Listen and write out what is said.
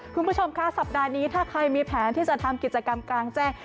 คุณผู้ชมค่ะสัปดาห์นี้ถ้าใครมีแผนที่จะทำกิจกรรมกลางแจ้ง